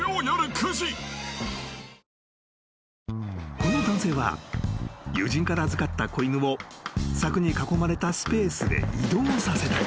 ［この男性は友人から預かった子犬を柵に囲まれたスペースへ移動させたい］